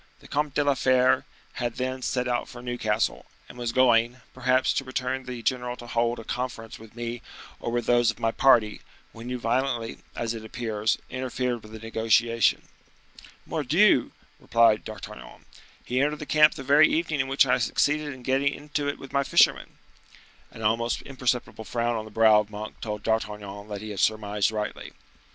The Comte de la Fere had then set out for Newcastle, and was going, perhaps, to bring the general to hold a conference with me or with those of my party, when you violently, as it appears, interfered with the negotiation." "Mordioux!" replied D'Artagnan, "he entered the camp the very evening in which I succeeded in getting into it with my fishermen—" An almost imperceptible frown on the brow of Monk told D'Artagnan that he had surmised rightly.